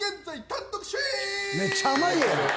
めっちゃ濱家やん。